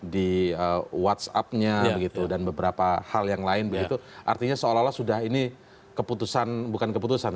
di whatsappnya begitu dan beberapa hal yang lain begitu artinya seolah olah sudah ini keputusan bukan keputusan